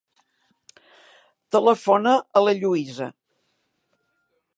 Telefona a la Lluïsa.